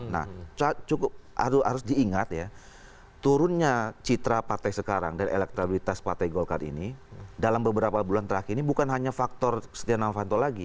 nah cukup harus diingat ya turunnya citra partai sekarang dan elektabilitas partai golkar ini dalam beberapa bulan terakhir ini bukan hanya faktor setia novanto lagi